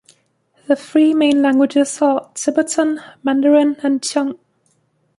The three main languages are Tibetan, Mandarin and Qiang.